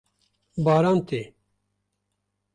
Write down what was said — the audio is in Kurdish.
Baran tê.